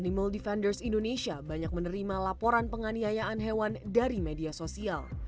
animal defenders indonesia banyak menerima laporan penganiayaan hewan dari media sosial